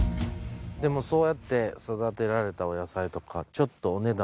でもそうやって育てられたお野菜とかちょっと。